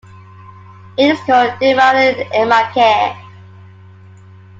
It is called "De Moren Imakane".